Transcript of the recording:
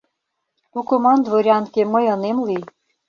Тукыман дворянке мый ынем лий